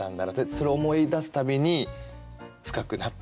それ思い出す度に深くなる